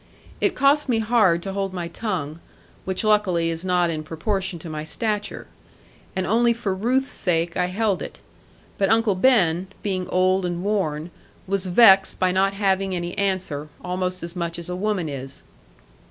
It cost me hard to hold my tongue; which luckily is not in proportion to my stature. And only for Ruth's sake I held it. But Uncle Ben (being old and worn) was vexed by not having any answer, almost as much as a woman is.